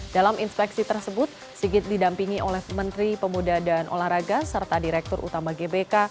dalam inspeksi tersebut sigit didampingi oleh menteri pemuda dan olahraga serta direktur utama gbk